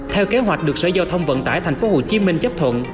theo kế hoạch được sở giao thông vận tải tp hcm chấp thuận